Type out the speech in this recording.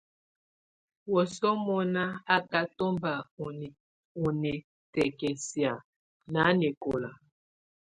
Wǝ́suǝ́ munà á ká tɔmba u nikǝ́kǝ́siǝ̀ nanɛkɔla.